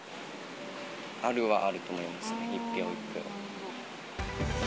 あるはあると思います、一票一票。